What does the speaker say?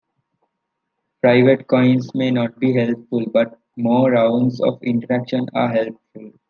Private coins may not be helpful, but more rounds of interaction are helpful.